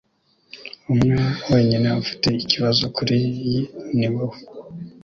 Umwe wenyine ufite ikibazo kuriyi niwowe